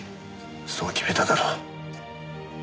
そう決めただろ。